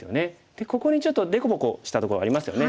でここにちょっと凸凹したところありますよね。